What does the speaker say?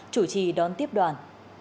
chủ trì đón tiếp đoàn